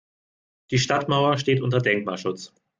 Die Stadtmauer steht unter Denkmalschutz.